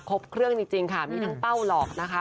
ครบเครื่องจริงค่ะมีทั้งเป้าหลอกนะคะ